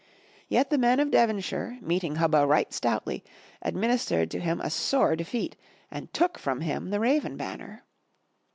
Yet the men of Devon shire, meeting Hubba right stoutly, administered to him a sore defeat, and took from him the raven banner.